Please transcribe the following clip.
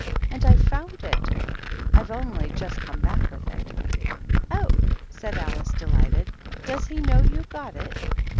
And I've found it. I've only just back with it." " Oh," said Alice, delighted, " does he kr you've got it?"